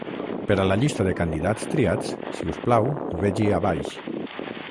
Per a la llista de candidats triats, si us plau vegi a baix.